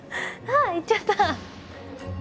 あいっちゃった。